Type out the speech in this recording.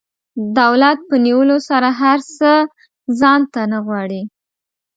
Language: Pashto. دولت په نیولو سره هر څه ځان ته نه غواړي.